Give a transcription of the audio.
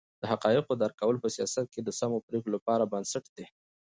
د حقایقو درک کول په سیاست کې د سمو پرېکړو لپاره بنسټ دی.